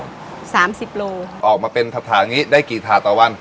สามสิบโลออกมาเป็นถาอย่างงี้ได้กี่ถาต่อวัน